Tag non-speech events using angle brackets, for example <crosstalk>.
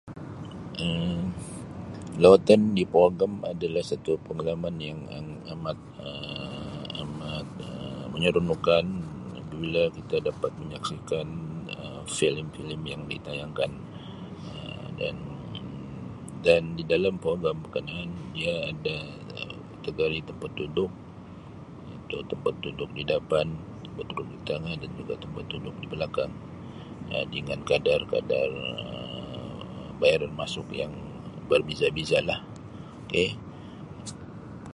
Um Lawatan di pawagam adalah satu pengalaman yang amat Um amat Um menyeronokkan apabia kita dapat menyaksikan filem-filem yang ditayangkan[Um] dan dan di dalam pawagam berkenaan ia ada kategori tempat duduk ada tempat duduk di depan tempat duduk di tengah dan tempat duduk di belakang dengan kadar-kadar Um bayaran masuk yang berbeza-bezalah. <unintelligible>